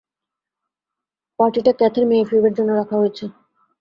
পার্টিটা ক্যাথের মেয়ে ফিবের জন্য রাখার হয়েছে।